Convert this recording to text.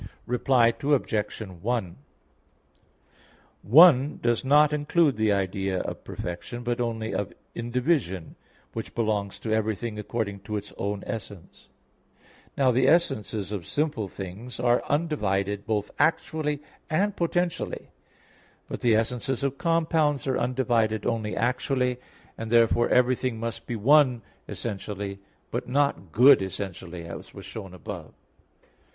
Reply Obj. 1: "One" does not include the idea of perfection, but only of indivision, which belongs to everything according to its own essence. Now the essences of simple things are undivided both actually and potentially, but the essences of compounds are undivided only actually; and therefore everything must be one essentially, but not good essentially, as was shown above.